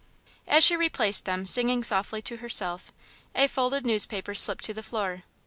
As she replaced them, singing softly to herself, a folded newspaper slipped to the floor.